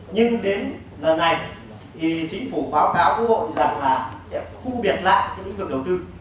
nhưng đến lần này thì chính phủ báo cáo quốc hội rằng là sẽ khu biệt lại cái lĩnh vực đầu tư